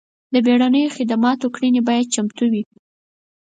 د بیړنیو خدماتو کړنې باید چمتو وي.